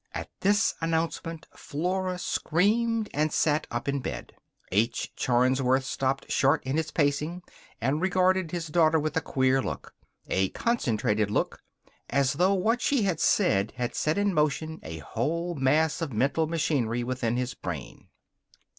At this announcement Flora screamed and sat up in bed. H. Charnsworth stopped short in his pacing and regarded his daughter with a queer look; a concentrated look, as though what she had said had set in motion a whole mass of mental machinery within his brain.